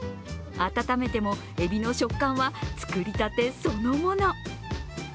温めても海老の食感は作りたてそのもの。